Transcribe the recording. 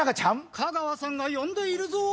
香川さんが呼んでいるぞ！